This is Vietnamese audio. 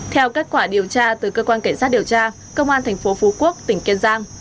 theo kết quả điều tra từ cơ quan cảnh sát điều tra công an thành phố phú quốc tỉnh kiên giang